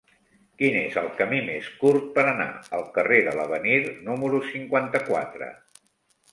Quin és el camí més curt per anar al carrer de l'Avenir número cinquanta-quatre?